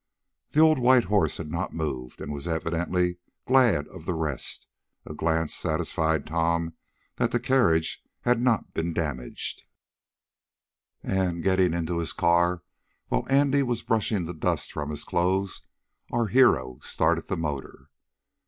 The old white horse had not moved, and was evidently glad of the rest. A glance satisfied Tom that the carriage had not been damaged, and, getting into his car, while Andy was brushing the dust from his clothes, our hero started the motor.